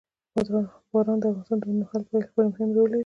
باران د افغانستان د اوږدمهاله پایښت لپاره مهم رول لري.